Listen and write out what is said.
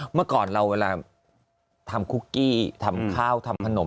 เมื่อก่อนเราเวลาทำคุกกี้ทำข้าวทำขนม